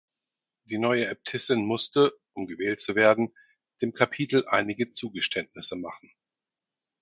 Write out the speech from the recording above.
Die neue Äbtissin musste, um gewählt zu werden, dem Kapitel einige Zugeständnisse machen.